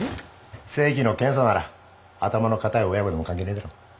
正規の検査なら頭の固い親子でも関係ねえだろ。